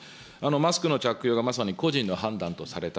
マスクの着用がまさに個人の判断とされた。